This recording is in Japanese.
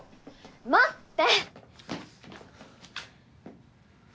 待って！